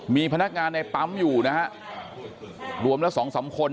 มีพนักงานในปั๊มอยู่นะฮะรวมละสองสามคน